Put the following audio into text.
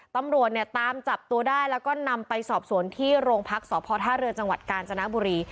ตำรวจเนี่ยตามจับตัวได้แล้วก็นำไปสอบสวนที่โรงพักษพท่าเรือจังหวัดกาญจนบุรี